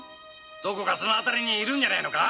どこかその辺りにいるんじゃねぇのか？